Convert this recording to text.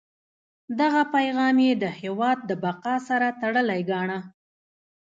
دغه پیغام یې د هیواد د بقا سره تړلی ګاڼه.